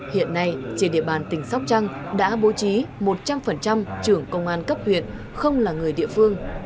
hiện nay trên địa bàn tỉnh sóc trăng đã bố trí một trăm linh trưởng công an cấp huyện không là người địa phương